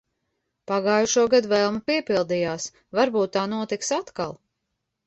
Pagājušogad vēlme piepildījās. Varbūt tā notiks atkal.